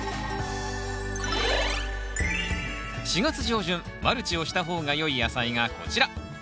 ４月上旬マルチをした方がよい野菜がこちら。